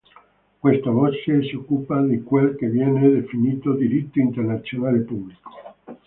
Questa voce si occupa di quel che viene definito diritto internazionale pubblico.